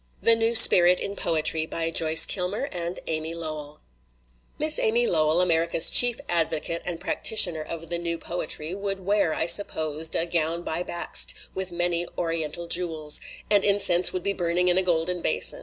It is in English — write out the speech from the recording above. THE NEW SPIRIT IN POETRY AMY LOWELL THE NEW SPIRIT IN POETRY AMY LOWELL MISS AMY LOWELL, America's chief ad vocate and practitioner of the new poetry, would wear, I supposed, a gown by Bakst, with many Oriental jewels. And incense would be burning in a golden basin.